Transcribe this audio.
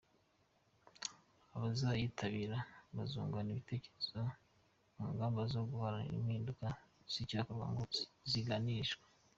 Abazayitabira bazungurana ibitekerezo ku ngamba zo guharanira impinduka n’icyakorwa ngo zisigasirwe.